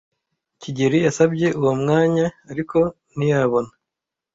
kigeli yasabye uwo mwanya, ariko ntiyabona.